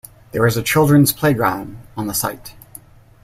There is a children's playground on the site.